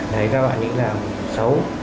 thấy các bạn ấy làm xấu